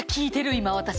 今私。